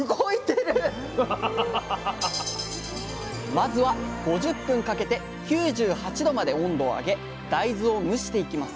まずは５０分かけて９８℃まで温度を上げ大豆を蒸していきます